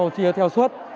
chia theo xuất